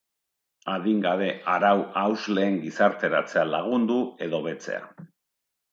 Adingabe arau-hausleen gizarteratzea lagundu edo hobetzea.